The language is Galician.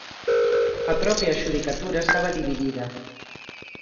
A propia xudicatura estaba dividida.